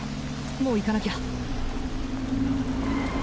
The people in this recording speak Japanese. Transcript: もう行かなきゃ。